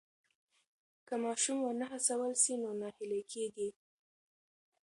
که ماشوم ونه هڅول سي نو ناهیلی کېږي.